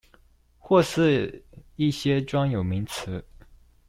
或是一些專有名詞